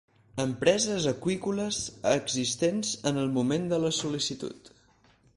Empreses aqüícoles existents en el moment de la sol·licitud.